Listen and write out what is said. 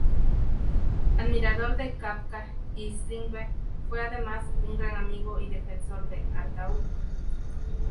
Admirador de Kafka y Strindberg, fue además un gran amigo y defensor de Artaud.